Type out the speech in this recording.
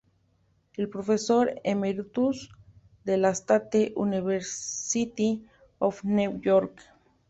Es Professor Emeritus de la State University of New York.